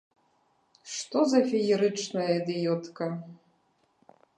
Што за феерычная ідыётка!